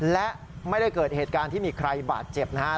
และไม่ได้เกิดเหตุการณ์ที่มีใครบาดเจ็บนะครับ